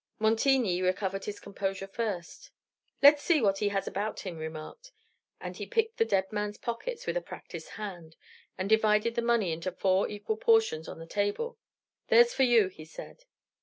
Montigny recovered his composure first. "Let's see what he has about him," he remarked; and he picked the dead man's pockets with a practised hand, and divided the money into four equal portions on the table. "There's for you," he said.